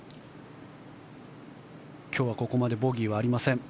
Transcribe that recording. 今日はここまでボギーはありません。